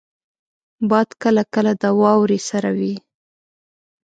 باد کله کله د واورې سره وي